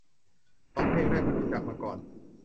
สองเพลงแรกไม่รู้จักมาก่อน